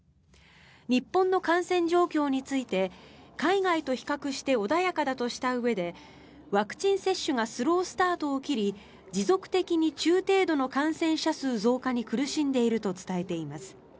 日本の感染状況について海外と比較して穏やかだとしたうえでワクチン接種がスロースタートを切り持続的に中程度の感染者数増加に苦しんでいると伝えています。